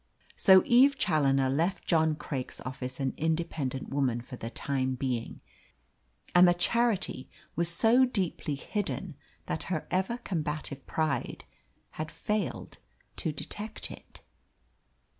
So Eve Challoner left John Craik's office an independent woman for the time being, and the charity was so deeply hidden that her ever combative pride had failed to detect it.